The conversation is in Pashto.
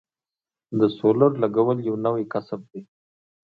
د سولر لګول یو نوی کسب دی